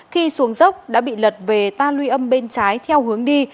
khi xuống dốc đã bị lật về ta luy âm bên trái theo hướng đi